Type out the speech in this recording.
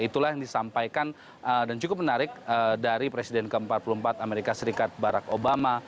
itulah yang disampaikan dan cukup menarik dari presiden ke empat puluh empat amerika serikat barack obama